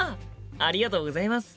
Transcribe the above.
ありがとうございます。